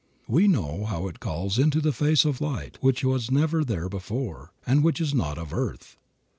We know how it calls into the face a light which was never there before, and which is not of earth.